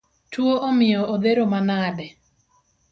Tuo omiyo odhero manade?